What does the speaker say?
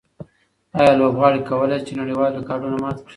آیا لوبغاړي کولای شي چې نړیوال ریکارډونه مات کړي؟